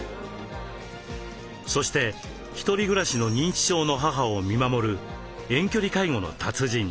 そして一人暮らしの認知症の母を見守る遠距離介護の達人。